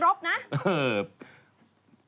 วินักรบนะ